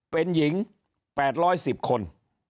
เป็นหญิง๘๑๐คน